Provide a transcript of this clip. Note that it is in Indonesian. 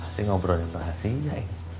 masih ngobrolin bahasinya